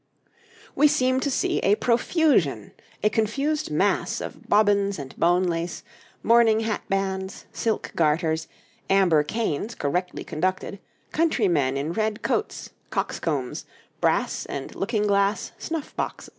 We seem to see a profusion, a confused mass of bobbins and bone lace, mourning hatbands, silk garters, amber canes correctly conducted, country men in red coats, coxcombs, brass and looking glass snuff boxes.